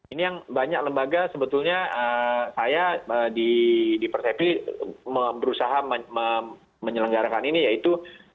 ini yang banyak lembaga sebetulnya saya di persepsi berusaha menyelenggarakan ini yaitu